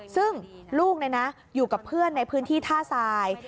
ซึ่งลูกอยู่กับเพื่อนในพื้นที่ท่าทราย